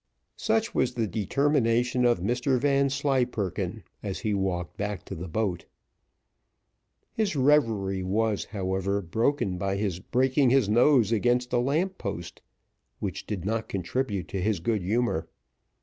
Such was the determination of Mr Vanslyperken, as he walked back to the boat. His reverie was, however, broken by his breaking his nose against a lamp post, which did not contribute to his good humour.